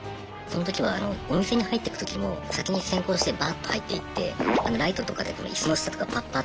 その時はあのお店に入ってく時も先に先行してバッと入っていってライトとかで椅子の下とかパッパ